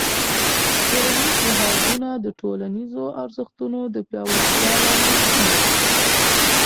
ټولنیز نهادونه د ټولنیزو ارزښتونو د پیاوړتیا لامل کېږي.